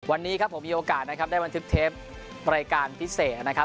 วันนี้ครับผมมีโอกาสนะครับได้บันทึกเทปรายการพิเศษนะครับ